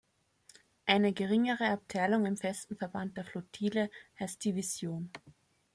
Eine geringere Abteilung im festen Verband der Flottille heißt Division.